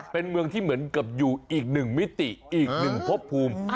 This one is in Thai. เป็นเมืองที่เหมือนกับอยู่อีกหนึ่งมิติอีกหนึ่งพบภูมิ